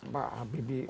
pak habibie bebaskan semua